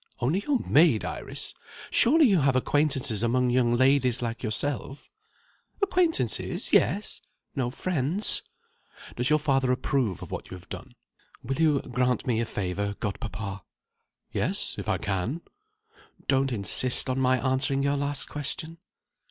"Only your maid, Iris? Surely you have acquaintances among young ladies like yourself?" "Acquaintances yes. No friends." "Does your father approve of what you have done?" "Will you grant me a favour, godpapa?" "Yes if I can." "Don't insist on my answering your last question."